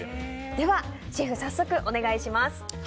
ではシェフ早速、お願い致します。